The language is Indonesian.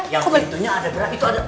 yang pintunya ada berapa itu ada